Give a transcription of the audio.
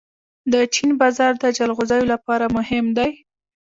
د چین بازار د جلغوزیو لپاره مهم دی.